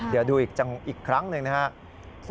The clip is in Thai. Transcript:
เดี๋ยวดูอีกครั้งหนึ่งนะครับ